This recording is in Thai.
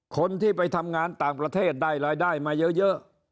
คนที่ไปทำงานต่างประเทศได้รายได้มาเยอะ